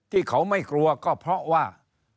ที่เขาไม่กลัวก็เพราะว่า